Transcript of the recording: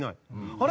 「あれ？